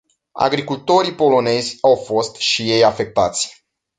Agricultorii polonezi au fost și ei afectați.